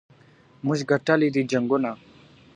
موږ ګټلي دي جنګونه.